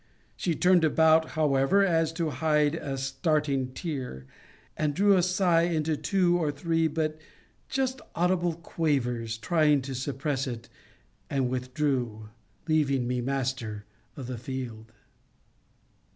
She turned about, however, as if to hide a starting tear; and drew a sigh into two or three but just audible quavers, trying to suppress it, and withdrew leaving me master of the field.